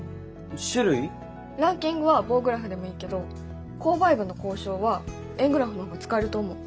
ランキングは棒グラフでもいいけど購買部の交渉は円グラフの方が使えると思う。